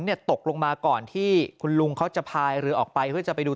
ตกลงมาก่อนที่คุณลุงเขาจะพายเรือออกไปเพื่อจะไปดู